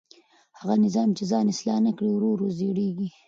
هغه نظام چې ځان اصلاح نه کړي ورو ورو زړېږي